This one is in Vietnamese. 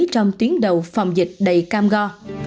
trong tuyến đầu phòng dịch đầy cam go